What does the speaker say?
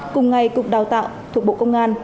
cùng ngày cục đào tạo thuộc bộ công an